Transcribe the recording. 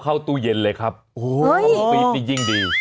เอาตู้เย็นเลยครับต้องปิดนี่ยิ่งดี